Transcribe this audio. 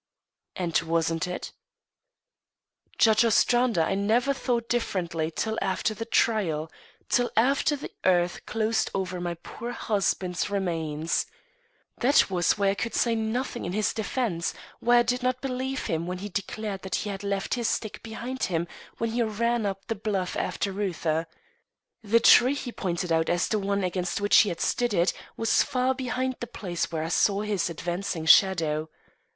"And wasn't it?" "Judge Ostrander, I never thought differently till after the trial till after the earth closed over my poor husband's remains. That was why I could say nothing in his defence why I did not believe him when he declared that he had left his stick behind him when he ran up the bluff after Reuther. The tree he pointed out as the one against which he had stood it, was far behind the place where I saw this advancing shadow.